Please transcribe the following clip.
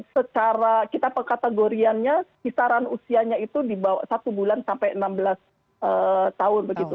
secara kita kategoriannya kisaran usianya itu di bawah satu bulan sampai enam belas tahun begitu